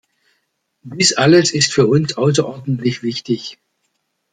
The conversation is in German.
Dies alles ist für uns außerordentlich wichtig.